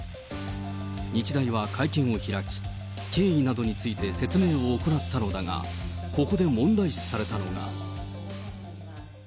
日大は会見を開き、経緯などについて説明を行ったのだが、ここで問題視されたのが。